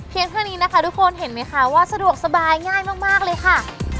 เท่านี้นะคะทุกคนเห็นไหมคะว่าสะดวกสบายง่ายมากเลยค่ะ